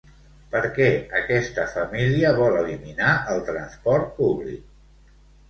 Per què aquesta família vol eliminar el transport públic?